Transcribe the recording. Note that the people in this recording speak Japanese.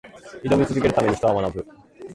挑み続けるために、人は学ぶ。